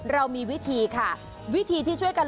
เรามีวิธีค่ะวิธีที่ช่วยกัน